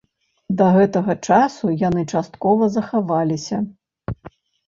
Да гэтага часу яны часткова захаваліся.